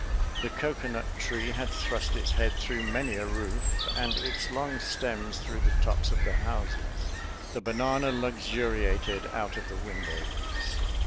The cocoa nut tree had thrust its head through many a roof, and its long stems through the tops of the houses; the banana luxuriated out of the windows.